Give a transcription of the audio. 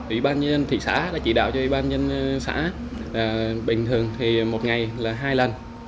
ủy ban nhân thị xã đã chỉ đạo cho ủy ban nhân xã bình thường thì một ngày là hai lần